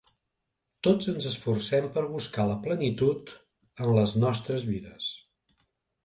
Tots ens esforcem per buscar la plenitud en les nostres vides.